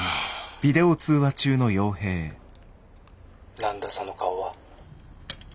「何だその顔は」。